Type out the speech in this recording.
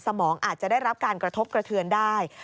สมองอาจจะได้รับการกระทบกระเทือนได้